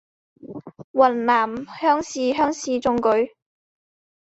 云南乡试乡试中举。